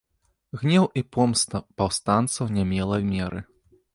Гнеў і помста паўстанцаў не мела меры.